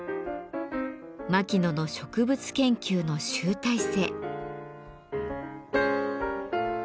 牧野の植物研究の集大成。